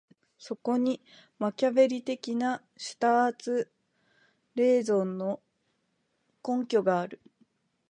そこにマキァヴェリ的なシュターツ・レーゾンの根拠がある。